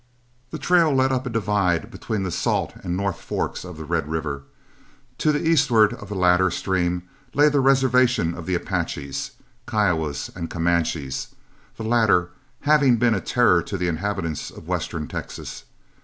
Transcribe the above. The trail led up a divide between the Salt and North forks of Red River. To the eastward of the latter stream lay the reservation of the Apaches, Kiowas, and Comanches, the latter having been a terror to the inhabitants of western Texas.